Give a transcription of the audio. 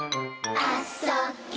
「あ・そ・ぎゅ」